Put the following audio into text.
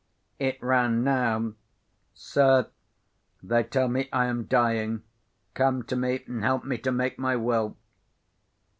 It ran now: 'Sir,—They tell me I am dying. Come to me, and help me to make my will.